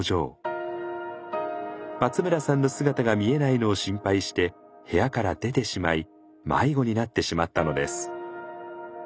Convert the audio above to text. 松村さんの姿が見えないのを心配して部屋から出てしまい迷子になってしまったのです。